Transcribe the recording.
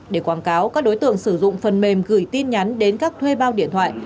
để quảng cáo các đối tượng sử dụng phần mềm gửi tin nhắn đến các thuê bao điện thoại